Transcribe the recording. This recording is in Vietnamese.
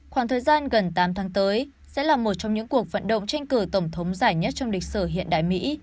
khoảng thời gian gần tám tháng tới sẽ là một trong những cuộc vận động tranh cử tổng thống dài nhất trong lịch sử hiện đại mỹ